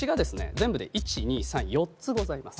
全部で１２３４つございます。